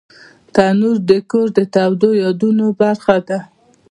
تنور د کور د تودو یادونو برخه ده